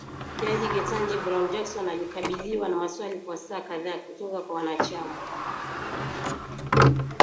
jaji Ketanji Brown Jackson alikabiliwa na maswali kwa saa kadhaa kutoka kwa wanachama